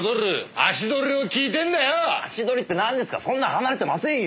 足取りってなんですかそんな離れてませんよ！